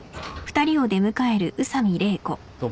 どうも。